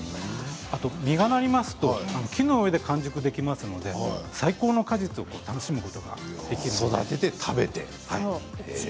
あと、実がなりますと木の上で完熟できますので最高の果実を楽しむことが育てて、食べて。